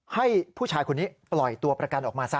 ให้ผู้ชายคนนี้ปล่อยตัวประกันออกมาซะ